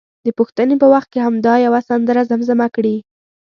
د پوښتنې په وخت کې همدا یوه سندره زمزمه کړي.